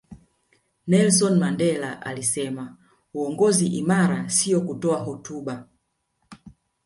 nelson mandela alisema uongozi imara siyo kutoa hotuba